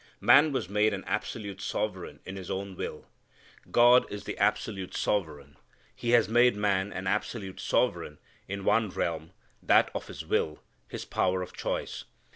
Man was made an absolute sovereign in his own will. God is the absolute sovereign. He has made man an absolute sovereign in one realm, that of his will, his power of choice.